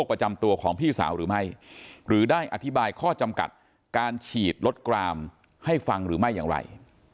การฉีดลดกรามให้ฟังหรือไม่อย่างไร